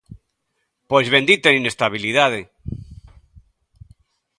¡Pois bendita inestabilidade!